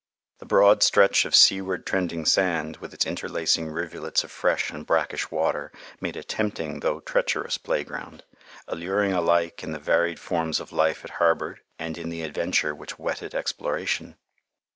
The broad stretch of seaward trending sand, with its interlacing rivulets of fresh and brackish water, made a tempting though treacherous playground, alluring alike in the varied forms of life it harbored and in the adventure which whetted exploration.